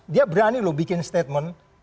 dia berani loh bikin statement